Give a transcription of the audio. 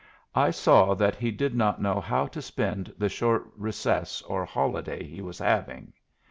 I saw that he did not know how to spend the short recess or holiday he was having.